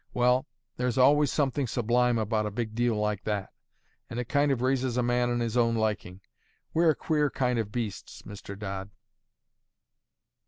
Well, there's always something sublime about a big deal like that; and it kind of raises a man in his own liking. We're a queer kind of beasts, Mr. Dodd."